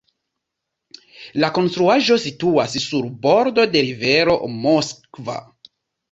La konstruaĵo situas sur bordo de rivero Moskva.